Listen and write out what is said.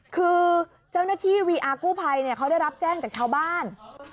คือเจ้าหน้าที่วีอาร์กู้ภัยเขาได้รับแจ้งจากชาวบ้าน